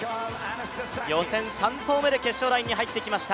予選３投目で決勝に入ってきました